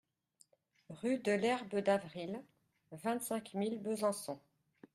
Rue de l'Herbe d'Avril, vingt-cinq mille Besançon